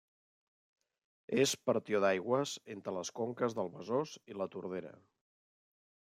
És partió d'aigües entre les conques del Besòs i La Tordera.